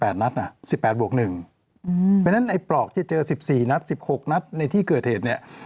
เพราะฉะนั้นไอ้ปลอกที่เจอ๑๔นัด๑๖นัดในที่เกิดเหตุเนี่ย